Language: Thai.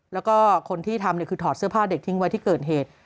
แล้วก็คนที่ทำคือถอดเสื้อผ้าเด็กทิ้งไว้ที่เกิดเหตุ